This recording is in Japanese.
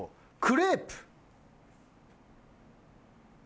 クレープ。